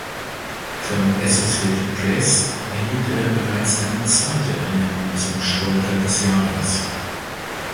Von Associated Press erhielt er bereits seine zweite Ernennung zum Sportler des Jahres.